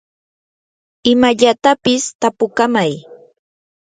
imallatapis tapukamay.